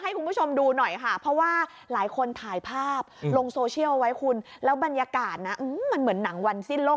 โอ้ยคุณดูดีเนี่ยคือเหมือนใน